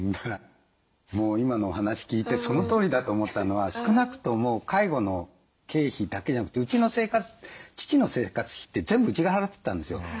もう今のお話聞いてそのとおりだと思ったのは少なくとも介護の経費だけじゃなくて父の生活費って全部うちが払ってたんですよ。